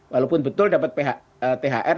walaupun betul dapat phr